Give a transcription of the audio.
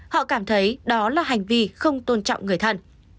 họ cảm thấy đó là hành vi không tôn trọng người thân